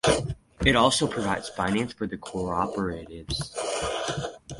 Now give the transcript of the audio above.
It also provides finance for cooperatives.